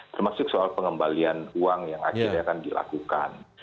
termasuk soal pengembalian uang yang akhirnya akan dilakukan